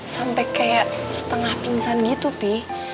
sampai kayak setengah pingsan gitu pi